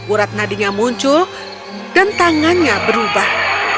urat nadinya muncul dan tangannya berubah